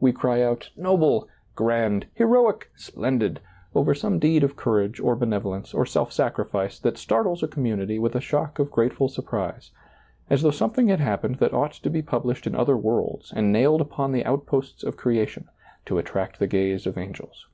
We cry out, "noble," "grand," " heroic," " splendid," over some deed of courage or benevolence or self sacrifice that startles a community with a shock of grateful surprise, as though something had happened that ought to be published in other worlds and nailed upon the outposts of creation, to attract the gaze of angels.